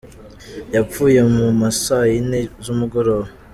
Yapfuye mu ma saa yine z’umugoroba.